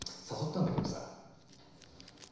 誘ったんだけどさ。